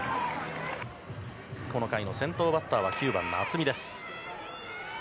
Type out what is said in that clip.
この回の先頭バッターは、９番の渥美です。